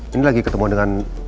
ini lagi ketemu dengan